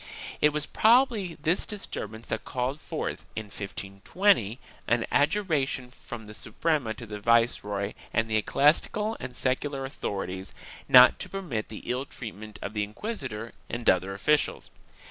It was probably this disturbance that called forth, in 1520, an adjuration from the Suprema to the viceroy and the ecclesiastical and secular authorities, not to permit the ill treat ment of the inquisitor and other officials.